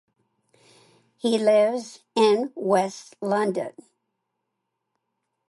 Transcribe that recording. He lives in West London.